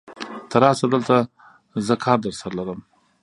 ته راشه دلته، زه کار درسره لرم.